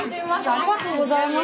ありがとうございます。